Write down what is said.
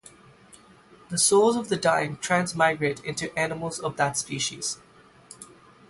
The souls of the dying transmigrate into animals of that species.